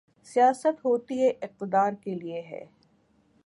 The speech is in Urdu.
سیاست ہوتی ہی اقتدار کے لیے ہے۔